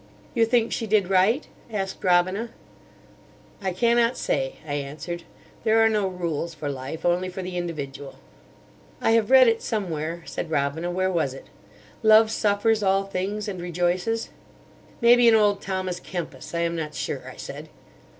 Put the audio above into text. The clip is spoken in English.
"You think she did right?" asked Robina. "I cannot say," I answered; "there are no rules for Life, only for the individual." "I have read it somewhere," said Robina—"where was it?—'Love suffers all things, and rejoices.'" "Maybe in old Thomas Kempis. I am not sure," I said.